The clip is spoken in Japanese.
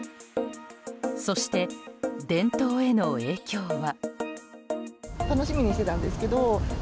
そして、伝統への影響は？